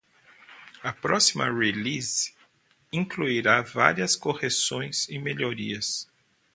A próxima release incluirá várias correções e melhorias.